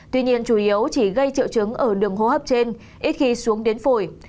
tuy nhiên chủ yếu chỉ gây triệu chứng ở đường hô hấp trên ít khi xuống đến phổi